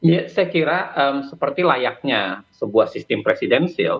ya saya kira seperti layaknya sebuah sistem presidensil